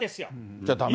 じゃあだめなの。